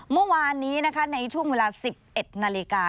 เมื่อวานนี้นะคะในช่วงเวลา๑๑นาฬิกา